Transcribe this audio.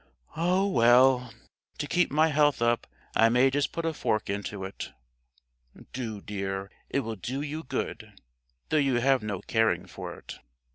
"Oh, well, to keep my health up I may just put a fork into it." "Do, dear; it will do you good, though you have no caring for it."